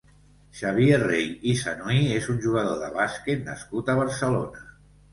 Xavier Rei i Sanuy és un jugador de bàsquet nascut a Barcelona.